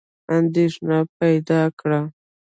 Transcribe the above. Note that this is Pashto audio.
اندېښنه پیدا کړه.